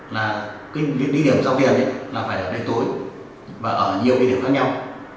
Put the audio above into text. là cái địa điểm giao tiền là phải ở đêm tối và ở nhiều địa điểm khác nhau